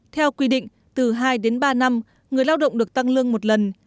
theo quy định từ hai đến ba năm người lao động được tăng lương một lần